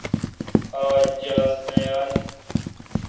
آج جاز نہ یال۔